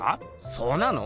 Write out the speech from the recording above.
そうなの？